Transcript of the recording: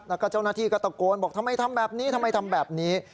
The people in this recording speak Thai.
แล้วก็เจ้าหน้าที่ก็ตะโกนบอกทำไมทำแบบนี้ทำไมทำแบบนี้